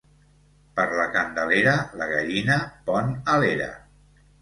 Per la Candelera la gallina pon a l'era.